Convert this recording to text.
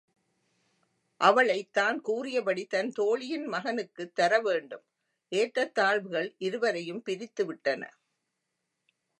அவளைத் தான் கூறியபடி தன் தோழியின் மகனுக்குத் தரவேண்டும் ஏற்றத் தாழ்வுகள் இருவரையும் பிரித்து விட்டன.